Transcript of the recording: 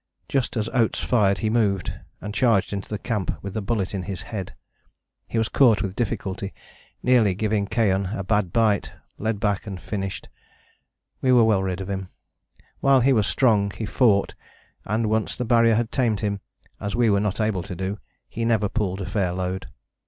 Just as Oates fired he moved, and charged into the camp with the bullet in his head. He was caught with difficulty, nearly giving Keohane a bad bite, led back and finished. We were well rid of him: while he was strong he fought, and once the Barrier had tamed him, as we were not able to do, he never pulled a fair load.